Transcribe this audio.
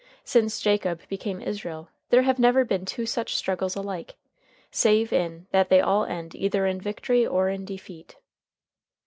Since Jacob became Israel there have never been two such struggles alike, save in that they all end either in victory or in defeat.